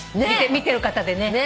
見てる方でね。